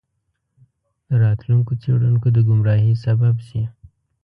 د راتلونکو څیړونکو د ګمراهۍ سبب شي.